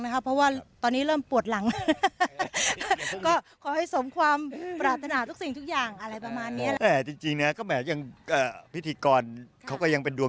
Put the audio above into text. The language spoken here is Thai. ชาวลุกทุ่งนี่แหละครับทุกคนผมเชื่อว่าอย่างนั้น